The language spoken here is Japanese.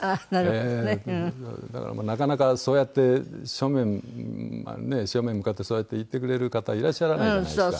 だからもうなかなかそうやって正面正面向かってそうやって言ってくれる方いらっしゃらないじゃないですか。